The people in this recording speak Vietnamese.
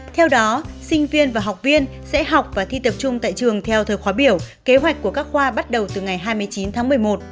theo đó sinh viên và học viên sẽ học và thi tập trung tại trường theo thời khóa biểu kế hoạch của các khoa bắt đầu từ ngày hai mươi chín tháng một mươi một